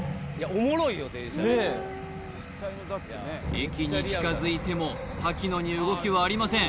駅に近づいても瀧野に動きはありません